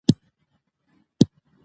عامه منابع د حساب ورکونې غوښتنه کوي.